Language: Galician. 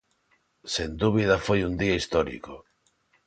Sen dúbida foi un día histórico.